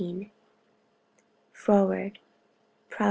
Froward, Prov.